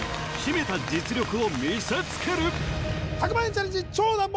１００万円チャレンジ超難問！